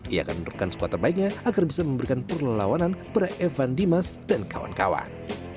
ia akan menurunkan skuad terbaiknya agar bisa memberikan perlawanan kepada evan dimas dan kawan kawan